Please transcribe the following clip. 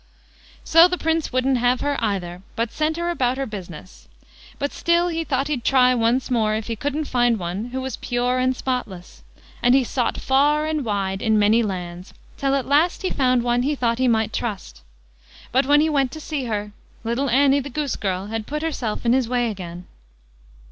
So the Prince wouldn't have her either, but sent her about her business; but still he thought he'd try once more if he couldn't find one who was pure and spotless; and he sought far and wide in many lands, till at last he found one he thought he might trust. But when he went to see her, little Annie the goose girl had put herself in his way again.